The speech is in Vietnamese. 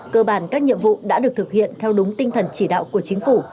cơ bản các nhiệm vụ đã được thực hiện theo đúng tinh thần chỉ đạo của chính phủ